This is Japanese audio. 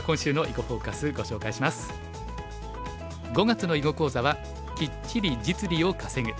５月の囲碁講座は「キッチリ実利を稼ぐ」。